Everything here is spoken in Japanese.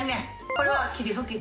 これは霧吹き。